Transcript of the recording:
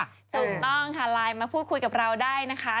ถูกต้องค่ะไลน์มาพูดคุยกับเราได้นะคะ